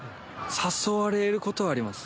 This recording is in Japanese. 誘われることはあります